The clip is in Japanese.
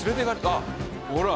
あっほら！